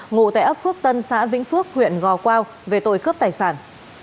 ngủ tại ấp phước tân xã vĩnh phước huyện gò quao về tội cướp tài sản